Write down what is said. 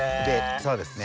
そうですね。